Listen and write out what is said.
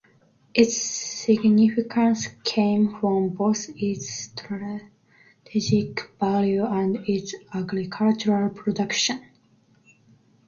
Its significance came from both its strategic value and its agricultural production.